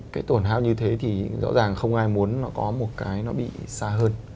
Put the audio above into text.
cái tổn háo như thế thì rõ ràng không ai muốn nó có một cái nó bị xa hơn